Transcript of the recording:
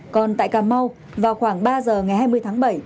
còn tại cà mau vào khoảng ba giờ ngày hai mươi tháng bảy